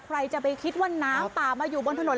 ใครจะไปคิดว่าน้ำป่ามาอยู่บนถนน